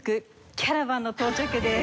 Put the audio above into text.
『キャラバンの到着』です。